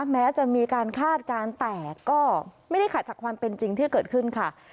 แม้จะมีการคาดการณ์แต่ก็ไม่ได้ขัดจากความเป็นจริงที่เกิดขึ้นค่ะ